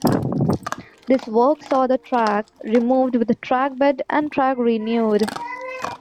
This work saw the track removed, with the track bed and track renewed.